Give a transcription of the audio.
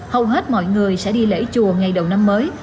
hầu hết mọi người sẽ đi lễ chùa ngày đầu năm mới